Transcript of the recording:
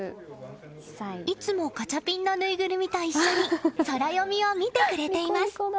いつもガチャピンのぬいぐるみと一緒にソラよみを見てくれています。